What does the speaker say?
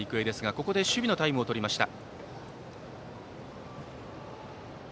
ここで守備のタイムを取りました。